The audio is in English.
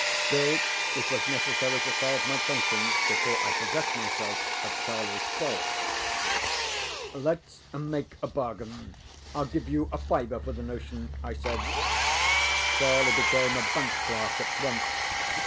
Still it was necessary to salve my conscience before I possessed myself of CharlieŌĆÖs thoughts. ŌĆ£LetŌĆÖs make a bargain. IŌĆÖll give you a fiver for the notion, ŌĆØ I said. Charlie became a bank clerk at once.